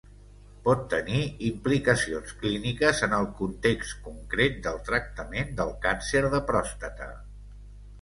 Pot tenir implicacions clíniques en el context concret del tractament del càncer de pròstata.